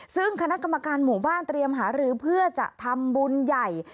ซึ่งคณะกรรมการหมู่บ้านเตรียมหารือเพื่อจะทำบุญใหญ่